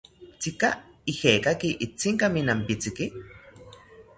¿Tzika ijekaki itzinkami nampitziki?